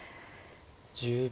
１０秒。